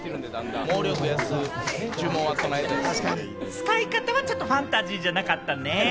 使い方はちょっとファンタジーじゃなかったね。